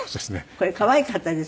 これ可愛かったです